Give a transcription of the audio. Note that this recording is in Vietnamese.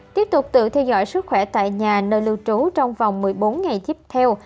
tiếp tục tự theo dõi sức khỏe tại nhà nơi lưu trú trong vòng một mươi bốn ngày tiếp theo